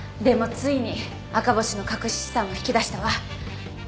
でもついに赤星の隠し資産を引き出したわ。